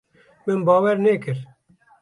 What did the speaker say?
Min bawer nekir.